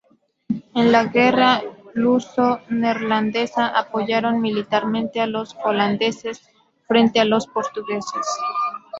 En la guerra Luso-Neerlandesa apoyaron militarmente a los holandeses frente a los portugueses.